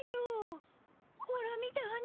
ほら見てアニさん。